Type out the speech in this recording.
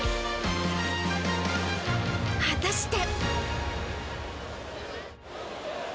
果たして。